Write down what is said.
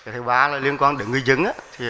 thứ ba là liên quan đến người dân